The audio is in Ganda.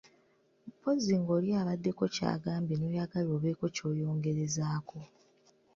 Mpozzi ng’oli abaddeko ky’agambye n’oyagala obeeko ky’oyongerezako.